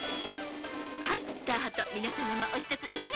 はいスターハットみなさまもおひとついかがですか？